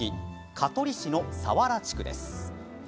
香取市の佐原地区です。